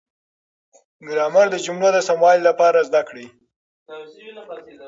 ګرامر د جملو د سموالي لپاره زده کړئ.